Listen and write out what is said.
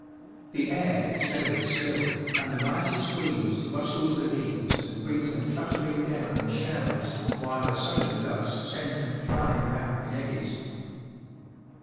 The air is very still, and the lightest breeze rustles the leaves and brings them fluttering down in showers, while a sudden gust sends them flying round in eddies.